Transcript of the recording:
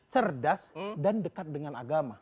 cerdas dan dekat dengan agama